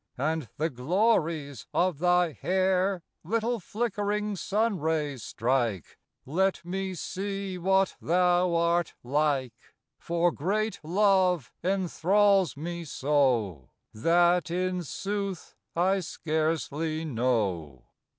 And the glories of thy hair Little flickering sun : rays strike, Let me see what thou art like; For great love enthralls me so, That, in sooth, I scarcely know.